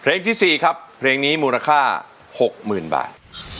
ที่๔ครับเพลงนี้มูลค่า๖๐๐๐บาท